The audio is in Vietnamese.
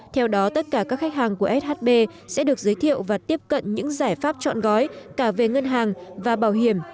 theo đó tất cả các khách hàng của shb sẽ được giới thiệu và tiếp cận những giải pháp chọn gói cả về ngân hàng và bảo hiểm